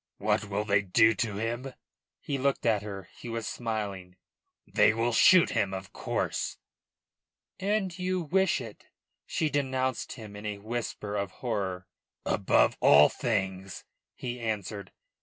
"What will they do to him?" He looked at her. He was smiling. "They will shoot him, of course." "And you wish it!" she denounced him in a whisper of horror. "Above all things," he answered.